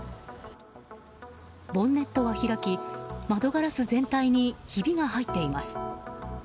ボンネットは開き窓ガラス全体にひびが入っています。